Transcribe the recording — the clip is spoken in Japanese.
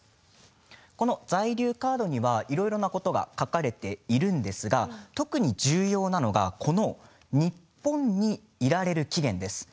この在留カードにはいろいろなことが書かれているんですが特に重要なのが日本にいられる期限です。